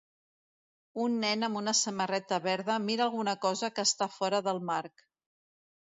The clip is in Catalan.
Un nen amb una samarreta verda mira alguna cosa que està fora del marc.